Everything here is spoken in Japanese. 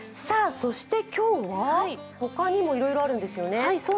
そして今日は、他にもいろいろあるんですよね。